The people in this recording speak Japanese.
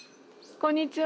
こんにちは。